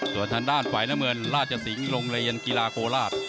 ส่วนทางด้านฝ่ายน้ำเงินราชสิงห์โรงเรียนกีฬาโคราช